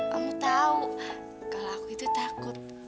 kamu tahu kalau aku itu takut